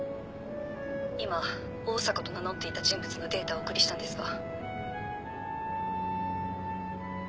今坂と名乗っていたデータをお送りしたんですが。